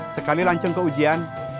sekali lanceng ke ujian